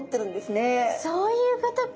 そういうことか！